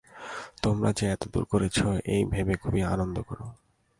তোমরা যে এতদূর করেছ, এই ভেবে খুব আনন্দ কর।